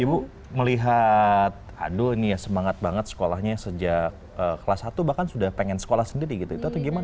ibu melihat aduh ini ya semangat banget sekolahnya sejak kelas satu bahkan sudah pengen sekolah sendiri gitu itu atau gimana